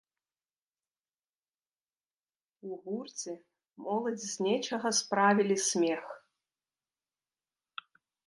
У гурце моладзь з нечага справілі смех.